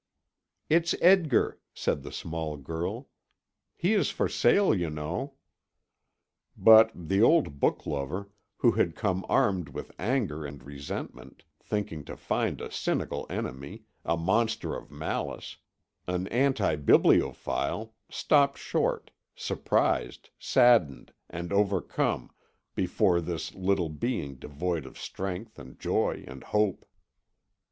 "It's Edgar," said the small girl. "He is for sale, you know." But the old book lover, who had come armed with anger and resentment, thinking to find a cynical enemy, a monster of malice, an antibibliophile, stopped short, surprised, saddened, and overcome, before this little being devoid of strength and joy and hope.